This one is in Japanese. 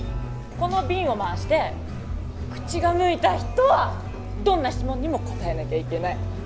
この瓶を回して口が向いた人はどんな質問にも答えなきゃいけない。